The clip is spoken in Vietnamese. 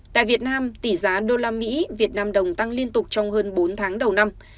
tại việt nam tỷ giá usd vnđ tăng liên tục trong hơn bốn tháng đầu năm